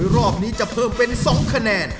รอบนี้จะเพิ่มเป็น๒คะแนน